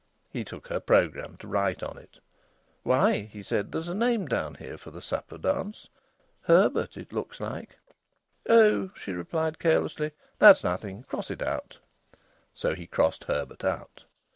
He took her programme to write on it. "Why," he said, "there's a name down here for the supper dance. 'Herbert,' it looks like." "Oh!" she replied carelessly, "that's nothing. Cross it out." So he crossed Herbert out.